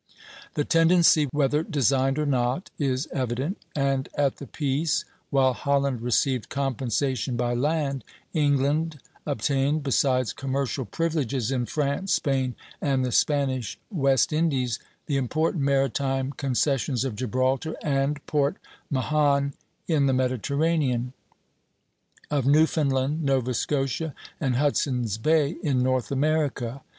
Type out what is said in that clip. The tendency, whether designed or not, is evident; and at the peace, while Holland received compensation by land, England obtained, besides commercial privileges in France, Spain, and the Spanish West Indies, the important maritime concessions of Gibraltar and Port Mahon in the Mediterranean; of Newfoundland, Nova Scotia, and Hudson's Bay in North America.